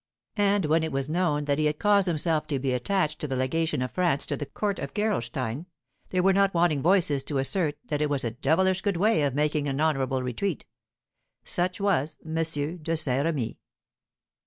And when it was known that he had caused himself to be attached to the legation of France to the court of Gerolstein, there were not wanting voices to assert that it was a "devilish good way of making an honourable retreat." Such was M. de Saint Remy.